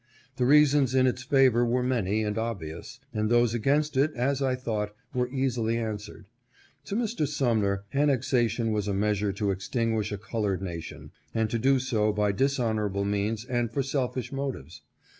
The reasons in its favor were many and obvious ; and those against it, as I thought, were easily answered. To Mr. Sumner, annexation was a measure to extinguish a colored nation, and to do so by dishonor able means and for selfish motives.